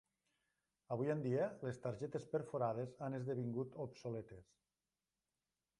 Avui en dia, les targetes perforades han esdevingut obsoletes.